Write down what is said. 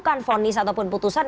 bukan fonis ataupun putusan